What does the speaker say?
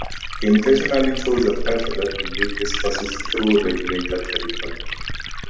He intentionally chose a path that would lead his forces through Regulator territory.